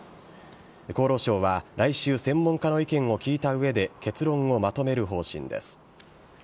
厚労省は来週専門家の意見を聞いた上で結論をまとめる方針です。